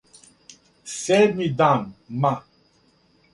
Седми дан ма,